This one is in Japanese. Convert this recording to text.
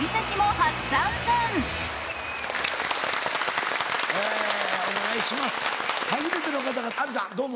初めての方が阿炎さんどうも。